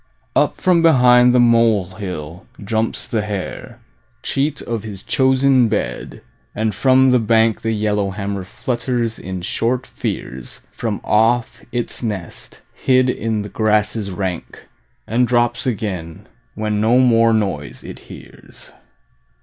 Up from behind the molehill jumps the hare, Cheat of his chosen bed, and from the bank The yellowhammer flutters in short fears From off its nest hid in the grasses rank, And drops again when no more noise it hears.